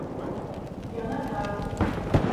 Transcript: Yana kay.